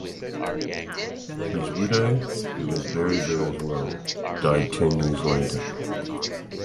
His widow, who was buried there as well, died ten years later.